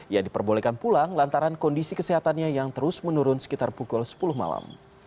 ia diperbolehkan pulang lantaran kondisi kesehatannya yang terus menurun sekitar pukul sepuluh malam